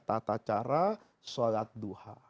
tata cara sholat duha